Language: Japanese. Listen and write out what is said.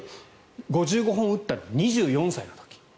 ５５本打ったのは２４歳の時。